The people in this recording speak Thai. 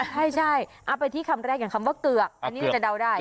ใช่เอาไปที่คำแรกอย่างคำว่าเกือกอันนี้เราจะเดาได้